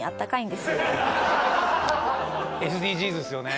ＳＤＧｓですよね。